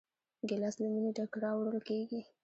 ګیلاس له مینې ډک راوړل کېږي.